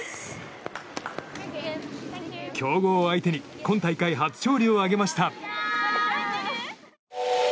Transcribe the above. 強豪を相手に今大会初勝利を挙げました。